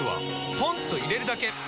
ポンと入れるだけ！